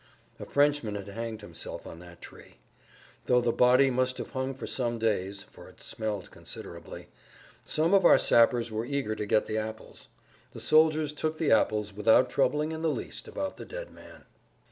A Frenchman had hanged himself on that tree. Though the body must have hung for some days—for it smelled considerably—some of our sappers were eager to get[Pg 133] the apples. The soldiers took the apples without troubling in the least about the dead man.